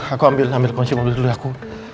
aku ambil konsip mobil dulu